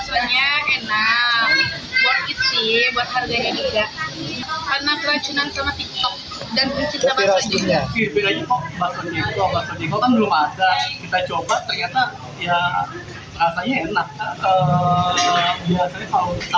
kita coba ternyata ya rasanya enak